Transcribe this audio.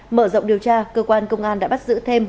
mở rộng điều tra cơ quan công an đã bắt giữ thêm